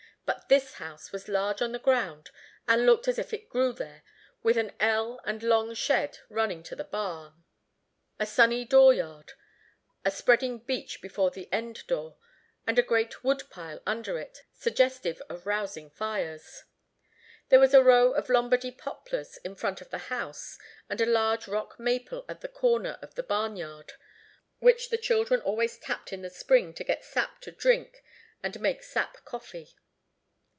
But this house was large on the ground, and looked as if it grew there, with an ell and long shed running to the barn, a sunny door yard, a spreading beech before the end door, with a great wood pile under it, suggestive of rousing fires. There was a row of Lombardy poplars in front of the house, and a large rock maple at the corner of the barn yard, which the children always tapped in the spring to get sap to drink and make sap coffee.